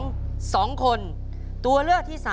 ตัวเลือกที่สาม๓คนและตัวเลือกที่สี่๔คน